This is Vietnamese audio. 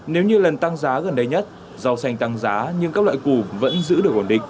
nếu như lần tăng giá gần đây nhất rau xanh tăng giá nhưng các loại củ vẫn giữ được ổn định